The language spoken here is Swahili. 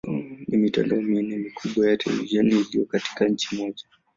Ni mitandao minne mikubwa ya televisheni iliyo katika nchi moja.